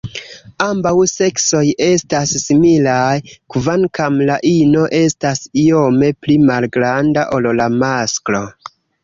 Ambaŭ seksoj estas similaj, kvankam la ino estas iome pli malgranda ol la masklo.